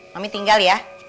mami tinggal ya